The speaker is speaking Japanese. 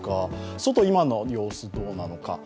外、今の様子どうなのか。